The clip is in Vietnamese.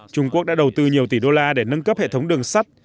trung quốc đã đầu tư nhiều tỷ đô la để nâng cấp hệ thống đường sắt